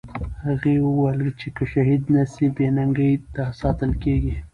هغې وویل چې که شهید نه سي، بې ننګۍ ته ساتل کېږي.